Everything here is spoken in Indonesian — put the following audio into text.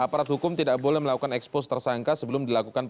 aparat hukum tidak boleh melakukan ekspos tersangka sebelum dilakukan